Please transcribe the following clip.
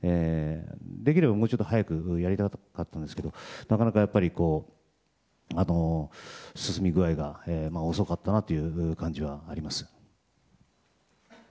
できれば、もうちょっと早くやりたかったんですけどなかなかやっぱり進み具合が遅かったなという感じはあります。